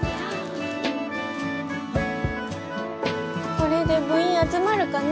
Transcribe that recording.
これで部員集まるかな？